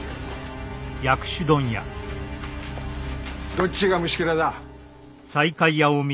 どっちが虫けらだ？